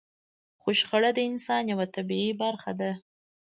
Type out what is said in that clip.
خو شخړه د انسان يوه طبيعي برخه ده.